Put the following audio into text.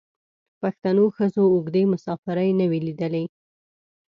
پښتنو ښځو اوږدې مسافرۍ نه وې لیدلي.